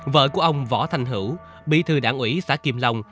vợ của ông võ thanh hữu bị thư đảng ủy xã kim long